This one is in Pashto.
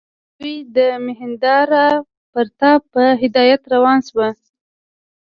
دوی د مهیندراپراتاپ په هدایت روان شوي.